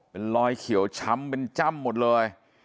เป็นรอยเขียวช้ำเป็นจ้ำหมดเลย